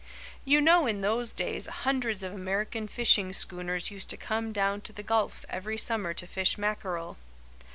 You know in those days hundreds of American fishing schooners used to come down to the Gulf every summer to fish mackerel.